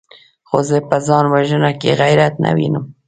خو زه په ځان وژنه کې غيرت نه وينم!